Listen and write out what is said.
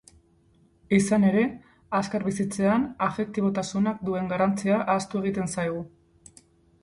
Izan ere, azkar bizitzean afektibotasunak duen garrantzia ahaztu egiten zaigu.